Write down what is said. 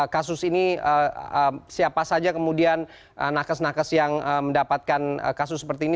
kasus ini siapa saja kemudian nakes nakes yang mendapatkan kasus seperti ini